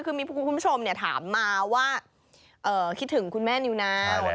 คือมีคุณผู้ชมถามมาว่าคิดถึงคุณแม่นิวนาว